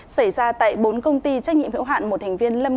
xảy ra tại bốn công ty trách nhiệm hiệu hạn